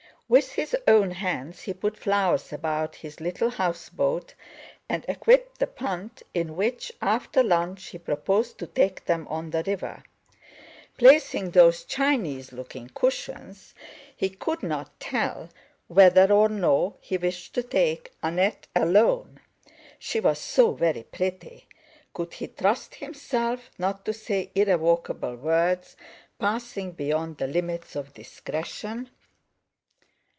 With his own hands he put flowers about his little house boat, and equipped the punt, in which, after lunch, he proposed to take them on the river. Placing those Chinese looking cushions, he could not tell whether or no he wished to take Annette alone. She was so very pretty—could he trust himself not to say irrevocable words, passing beyond the limits of discretion?